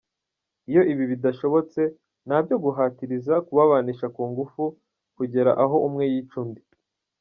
Iyo ibi bidashobotse, ntabyo guhatiriza, kubabanisha ku ngufu kugera aho umwe yica undi.